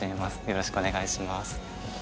よろしくお願いします。